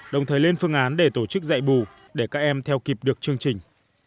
đồng thời lên phương án để tổ chức dạy bù để các em theo kịp được chương trình